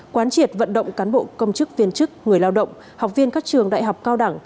quán triệt vận động cán bộ công chức viên chức người lao động học viên các trường đại học cao đẳng